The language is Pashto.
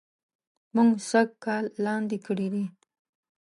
مونږ سږ کال لاندي کړي دي